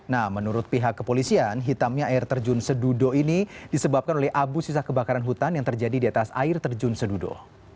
nah menurut pihak kepolisian hitamnya air terjun sedudo ini disebabkan oleh abu sisa kebakaran hutan yang terjadi di atas air terjun sedudo